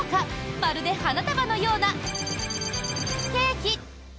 まるで花束のような○○ケーキ。